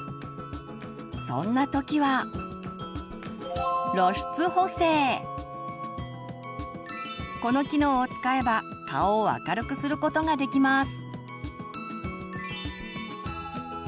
そんな時はこの機能を使えば顔を明るくすることができます。